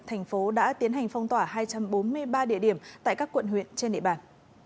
thành phố đã tiến hành phong tỏa hai trăm bốn mươi ba địa điểm tại các quận huyện trên địa bàn